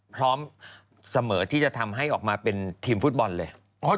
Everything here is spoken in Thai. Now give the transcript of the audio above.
พร้อมเสมอที่จะทำให้ออกมาเป็นทีมฟุตบอลเลย